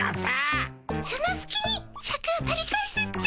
そのすきにシャクを取り返すっピ。